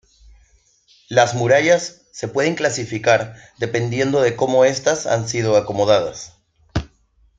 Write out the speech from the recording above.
Las murallas se pueden clasificar dependiendo de cómo estas han sido acomodadas.